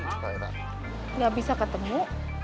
gak bisa ketemu